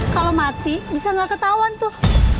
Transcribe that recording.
kalau mati bisa nggak ketahuan tuh